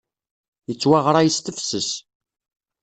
Yettwaɣray s tefses.